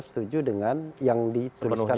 setuju dengan yang dituliskan